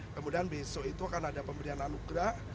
kemudian besok itu akan ada pemberian anugerah